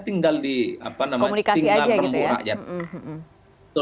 tinggal di apa namanya tinggal menunggu rakyat